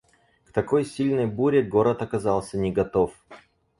К такой сильной буре город оказался не готов.